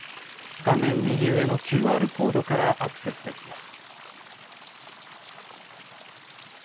画面右上のＱＲコードからアクセスできます。